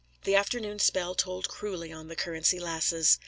The afternoon spell told cruelly on the Currency Lasses.